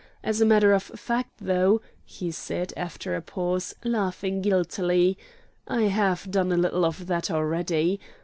As a matter of fact, though," he said, after a pause, laughing guiltily, "I have done a little of that already.